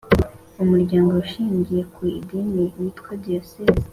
Umuryango Ushingiye ku Idini witwa Diyosezi